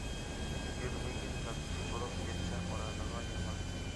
يۈرمىگىن مەپتۇن بولۇپ يەتسە مۇرادىغا يامان.